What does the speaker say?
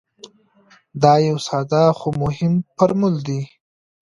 دا یو ساده خو مهم فرمول دی.